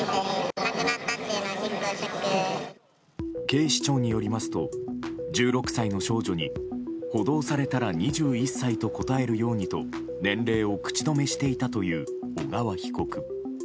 警視庁によりますと１６歳の少女に補導されたら２１歳と答えるようにと年齢を口止めしていたという小川被告。